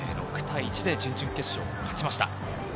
６対１で準々決勝を勝ちました。